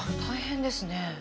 大変ですね。